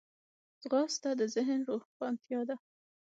ځغاسته د ذهن روښانتیا ده